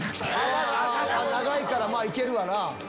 長いからまぁいけるわな。